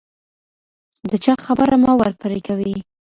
د چا خبره مه ور پرې کوئ.